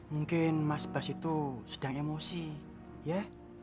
mungkin mas bas itu sedang emosi ya